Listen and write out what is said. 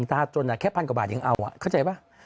แต่ถ้า